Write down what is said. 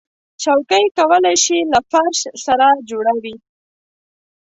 چوکۍ کولی شي له فرش سره جوړه وي.